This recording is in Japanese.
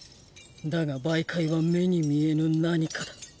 だが媒介は目に見えぬ何かだ。